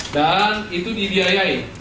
dan itu didiayai